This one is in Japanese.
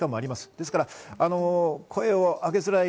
ですから声を上げづらい。